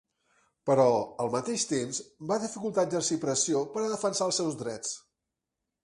Però, al mateix temps, va dificultar exercir pressió per a defensar els seus drets.